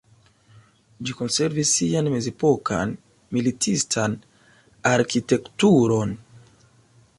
Ĝi konservis sian mezepokan militistan arkitekturon.